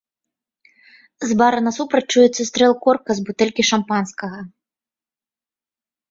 З бара насупраць чуецца стрэл корка з бутэлькі шампанскага.